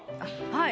はい。